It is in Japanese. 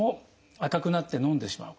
赤くなって飲んでしまう方。